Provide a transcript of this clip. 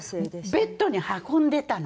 ベッドに運んでたの。